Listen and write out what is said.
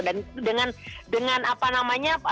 dan dengan apa namanya